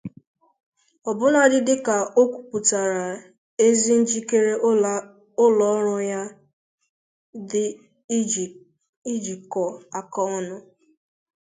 ọbụnadị dịka o kwupụtara ezi njikere ụlọ ọrụ ya dị ijikọ aka ọnụ